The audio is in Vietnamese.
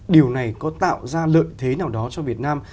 điều này có tạo ra lợi thế nào đó cho việt nam